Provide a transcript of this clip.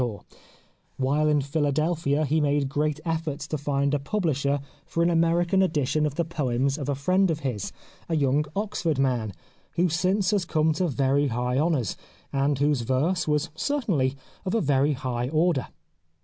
214 The Life of Oscar Wilde While in Philadelphia he made great efforts to find a publisher for an American edition of the poems of a friend of his, a young Oxford man, who since has come to very high honours, and whose verse was certainly of a very high order.